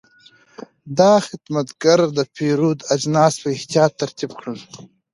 دا خدمتګر د پیرود اجناس په احتیاط ترتیب کړل.